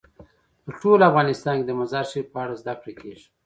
په ټول افغانستان کې د مزارشریف په اړه زده کړه کېږي.